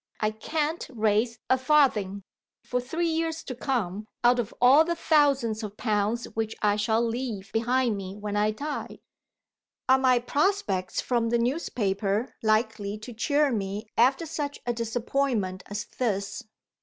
I can't raise a farthing, for three years to come, out of all the thousands of pounds which I shall leave behind me when I die. Are my prospects from the newspaper likely to cheer me after such a disappointment as this?